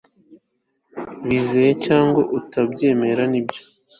wizere cyangwa utabyemera, nibyo